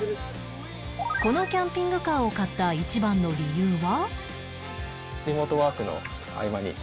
このキャンピングカーを買った１番の理由は？